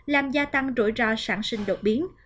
làm gia tăng rủi ro sản sinh đột biến